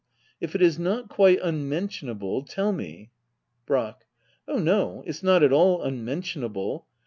If it is not quite unmentionable, tell me. Brack. Oh no, it's not at all unmentionable.